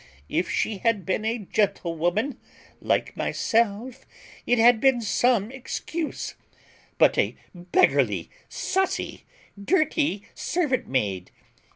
If she had been a gentlewoman, like myself, it had been some excuse; but a beggarly, saucy, dirty servant maid.